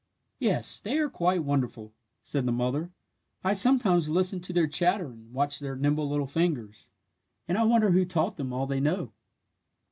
"Yes, they are quite wonderful," said the mother. "I sometimes listen to their chatter and watch their nimble little fingers, and I wonder who taught them all they know."